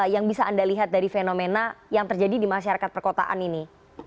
yang bisa anda lihat dari fenomena yang terjadi di masyarakat perkotaan ini